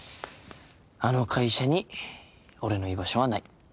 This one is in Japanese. あの会社に俺の居場所はない。